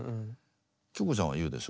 希子ちゃんは言うでしょ？